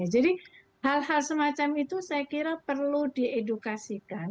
jadi hal hal semacam itu saya kira perlu diedukasikan